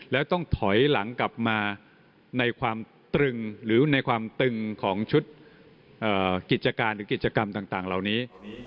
แล้วต้องถอยหลังกลับมาในความตรึงหรือในความตึงของชุดกิจการหรือกิจกรรมต่างเหล่านี้